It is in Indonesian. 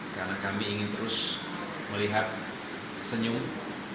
karena kami ingin terus melihat senyum dan kecerian ibu ani